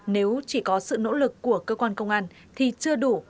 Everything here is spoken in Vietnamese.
nếu chỉ có sự nỗ lực của cơ quan công an thì chưa đủ